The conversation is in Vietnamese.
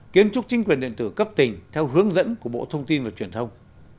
kiến trúc chính quyền điện tử cấp tỉnh theo hướng dẫn của bộ thông tin và truyền thông